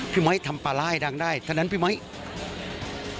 ไมค์ทำปลาร้าให้ดังได้เท่านั้นพี่ไมค์